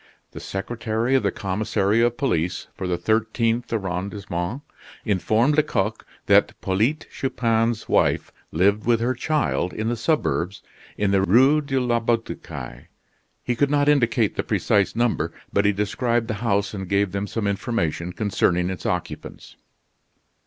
The secretary of the commissary of police for the thirteenth arrondissement informed Lecoq that Polyte Chupin's wife lived with her child, in the suburbs, in the Rue de la Butte aux Cailles. He could not indicate the precise number, but he described the house and gave them some information concerning its occupants.